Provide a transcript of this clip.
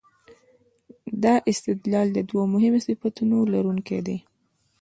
دا استدلال د دوو مهمو صفتونو لرونکی دی.